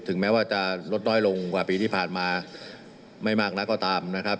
แม้ว่าจะลดน้อยลงกว่าปีที่ผ่านมาไม่มากนักก็ตามนะครับ